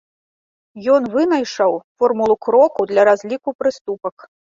Ён вынайшаў формулу кроку для разліку прыступак.